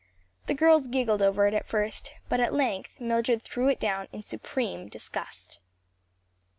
The girls giggled over it at first, but at length Mildred threw it down in supreme disgust.